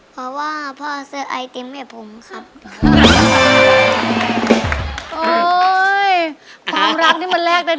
เพราะว่าพ่อซื้อไอติมให้ผมครับ